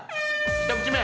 １口目。